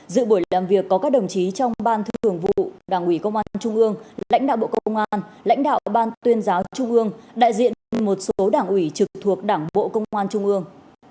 dự buổi làm việc có các đồng chí trong ban thường vụ đảng ủy công an trung ương lãnh đạo bộ công an lãnh đạo ban tuyên giáo trung ương đại diện cho một số đảng ủy trực thuộc đảng bộ công an trung ương